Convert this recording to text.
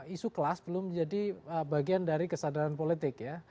isu kelas belum menjadi bagian dari kesadaran politik ya